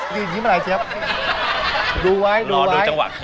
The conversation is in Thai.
รอด้วยจังหวะเขิม